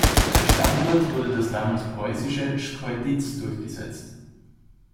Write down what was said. Als Standort wurde das damals preußische Schkeuditz durchgesetzt.